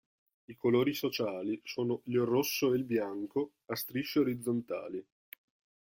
I colori sociali sono il rosso e il bianco, a strisce orizzontali.